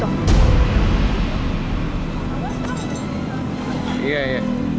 boleh juga ya tuan